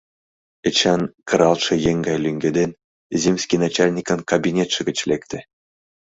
Эчан, кыралтше еҥ гай лӱҥгеден, земский начальникын кабинетше гыч лекте.